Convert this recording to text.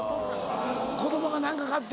子供が「何か買って」